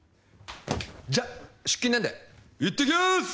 じゃあ出勤なんで行ってきます！